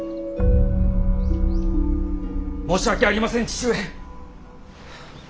申し訳ありません父上！